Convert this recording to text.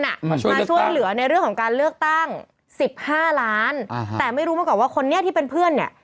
มาช่วยมาช่วยเหลือในเรื่องของการเลือกตั้งสิบห้าล้านอ่าแต่ไม่รู้มาก่อนว่าคนนี้ที่เป็นเพื่อนเนี่ย